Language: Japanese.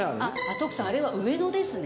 徳さんあれは上野ですね。